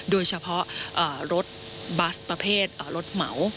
โดยเฉพาะรถบัสประเภทรถเหมา